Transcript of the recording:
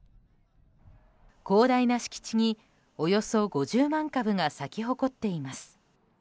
広大な敷地におよそ５０万株が咲き誇っています。